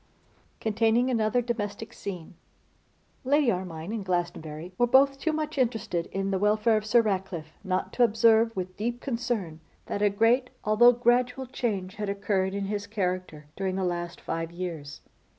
Containing Another Domestic Scene. LADY ARMINE and Glastonbury were both too much interested in the welfare of Sir Ratcliffe not to observe with deep concern that a great, although gradual, change had occurred in his character during the last five years.